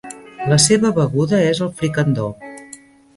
La seva beguda és el fricandó.